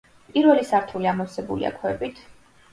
პირველი სართული ამოვსებულია ქვებით.